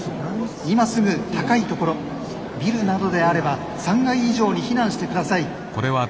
今すぐ高い所ビルなどであれば３階以上に避難してください。